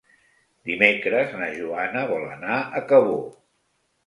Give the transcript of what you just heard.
Dimecres na Joana vol anar a Cabó.